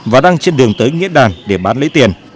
và đang trên đường tới nghĩa đàn để bán lấy tiền